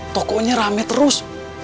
tokonya rame terus